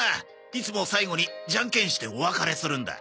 いつも最後にジャンケンしてお別れするんだ。